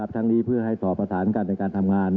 ทั้งนี้เพื่อให้สอบประสานกันในการทำงาน